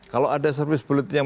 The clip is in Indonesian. kalau ada servis bulletin yang